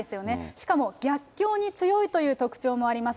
しかも逆境に強いという特徴もあります。